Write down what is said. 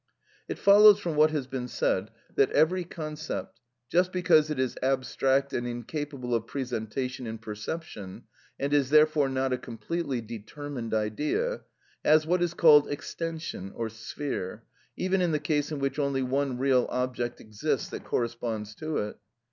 It follows from what has been said that every concept, just because it is abstract and incapable of presentation in perception, and is therefore not a completely determined idea, has what is called extension or sphere, even in the case in which only one real object exists that corresponds to it.